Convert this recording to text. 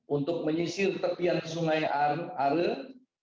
untuk menyisir tepian sungai are